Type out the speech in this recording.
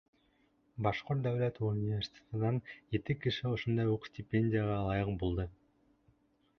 Башҡорт дәүләт университетынан ете кеше ошондай уҡ стипендияға лайыҡ булды.